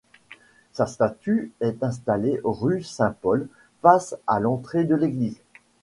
Sa statue est installée rue Saint-Paul face à l'entrée de l'église.